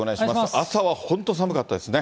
朝は本当寒かったですね。